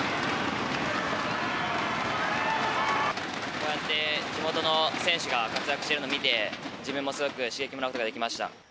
こうやって地元の選手が活躍しているのを見て自分もすごく刺激をもらうことができました。